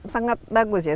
sangat bagus ya